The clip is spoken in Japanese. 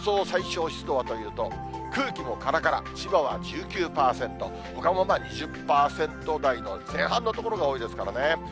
最小湿度はというと、空気もからから、千葉は１９％、ほかも２０％台の前半の所が多いですからね。